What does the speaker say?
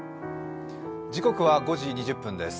時刻は５時２０分です。